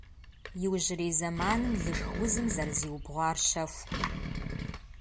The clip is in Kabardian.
Иужьрей зэманым лышх узым зэрызиубгъуар щэхукъым.